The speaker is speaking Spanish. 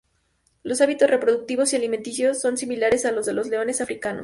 Los hábitos reproductivos y alimenticios son similares a los de los leones africanos.